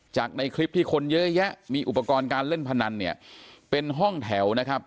ในคลิปที่คนเยอะแยะมีอุปกรณ์การเล่นพนันเนี่ยเป็นห้องแถวนะครับ